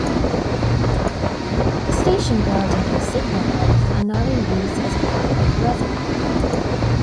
The station building and signal box are now in use as a private residence.